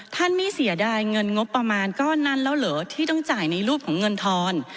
ท่านไม่เสียดายเงินงบประมาณก้อนนั้นแล้วเหรอที่ต้องจ่ายในรูปของเงินทอน